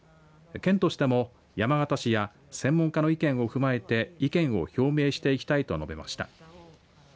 県としても山形市や専門家の意見を踏まえて意見を表明していきたいと述べました。